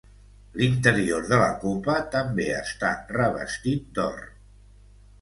L'interior de la copa també està revestit d'or.